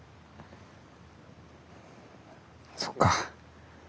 そっか。